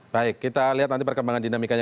baik kita lihat nanti perkembangan dinamikanya